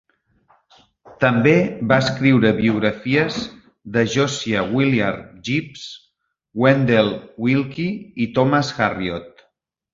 També va escriure biografies de Josiah Willard Gibbs, Wendell Willkie i Thomas Harriot.